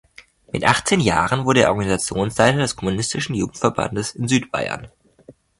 Mit achtzehn Jahren wurde er Organisationsleiter des Kommunistischen Jugendverbandes in Südbayern.